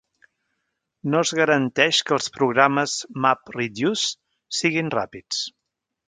No es garanteix que els programes MapReduce siguin ràpids.